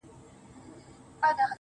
ستا غمونه مي د فكر مېلمانه سي.